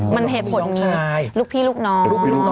มันเหตุผลลูกพี่ลูกน้อง